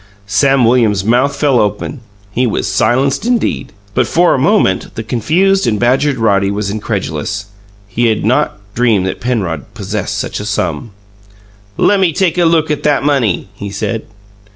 Sam Williams's mouth fell open; he was silenced indeed. But for a moment, the confused and badgered Roddy was incredulous; he had not dreamed that Penrod possessed such a sum. "Lemme take a look at that money!" he said.